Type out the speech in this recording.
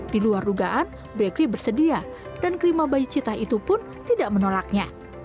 di luar rugaan blakely bersedia dan kelima bayi cita itu pun tidak menolaknya